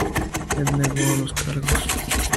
Él negó los cargos.